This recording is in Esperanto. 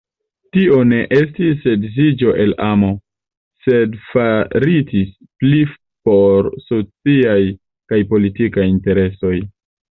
Tio ne estis geedziĝo el amo, sed faritis pli por sociaj kaj politikaj interesoj.